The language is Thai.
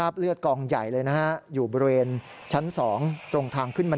เปิดอยู่นะครับ